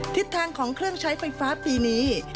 ทิศทางของเครื่องใช้ไฟฟ้าปีนี้